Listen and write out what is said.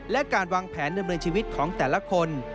และการวางแผนดำเนินชีวิตของแต่ละคน